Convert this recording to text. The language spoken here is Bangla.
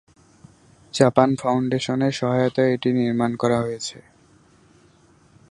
জাপান ফাউন্ডেশনের সহায়তায় এটি নির্মাণ করা হয়েছে।